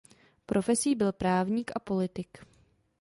Profesí byl právník a politik.